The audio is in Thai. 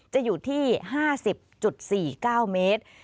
จะอยู่ที่๕๐๔๙เมตร